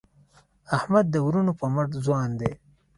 احمد د وروڼو په مټ ځوان دی.